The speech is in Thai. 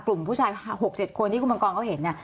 กลุ่มผู้ชาย๖๗คนที่คุณบังกองเขาเห็น